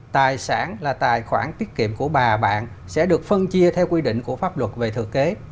tài sản là tài khoản tiết kiệm của bà bạn sẽ được phân chia theo quy định của pháp luật về thừa kế